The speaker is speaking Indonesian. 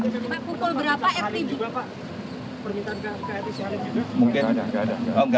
pak pukul berapa